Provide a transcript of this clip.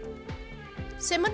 sẽ mất một thời gian